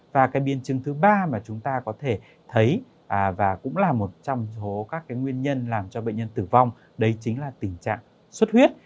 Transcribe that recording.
và cái biên chứng thứ ba mà chúng ta có thể thấy và cũng là một trong số các cái nguyên nhân làm cho bệnh nhân tử vong đấy chính là tình trạng xuất huyết